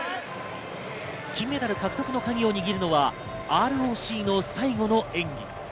金メダル獲得のカギを握るのはＲＯＣの最後の演技。